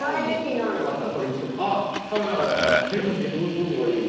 どこがいい？